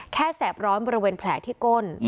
แสบร้อนบริเวณแผลที่ก้น